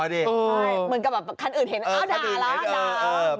เหมือนกับแบบคันอื่นเห็นอ้าวด่าแล้วด่า